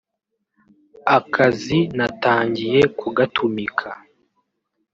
Akazi natangiye kugatumika